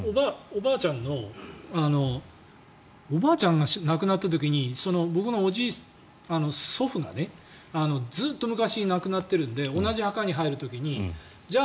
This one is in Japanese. おばあちゃんが亡くなった時に僕の祖父がずっと昔に亡くなってるんで同じ墓に入る時にじゃあ